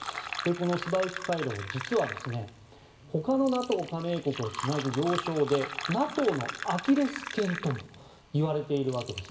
このスバウキ回廊実はほかのＮＡＴＯ加盟国をつなぐ要衝でＮＡＴＯのアキレス腱ともいわれているわけです。